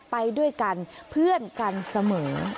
ไปด้วยกันเพื่อนกันเสมอ